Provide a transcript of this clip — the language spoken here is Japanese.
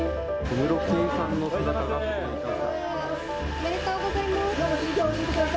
おめでとうございます。